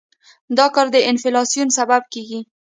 دا کار د انفلاسیون سبب کېږي.